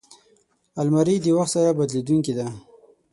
الماري د وخت سره بدلېدونکې ده